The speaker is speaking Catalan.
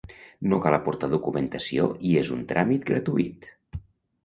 No cal aportar documentació i és un tràmit gratuït.